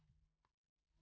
nafaskan ini baiknya malem